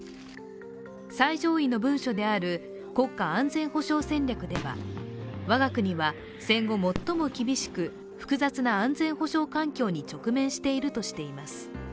最上位の文書である国家安全保障戦略では、我が国は戦後最も厳しく複雑な安全保障環境に直面しているとしています。